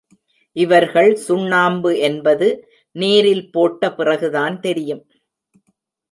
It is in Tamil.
இவர்கள் சுண்ணாம்பு என்பது, நீரில் போட்ட பிறகுதான் தெரியும்.